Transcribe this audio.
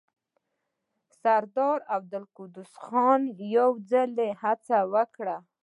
سردار عبدالقدوس خان يو ځل هڅه وکړه.